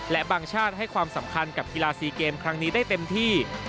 และบางชาติให้ความสำคัญกับกีฬาซีเกมครั้งนี้ได้เต็มที่